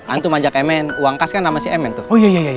antum ajak emen uang kas kan nama si emen tuh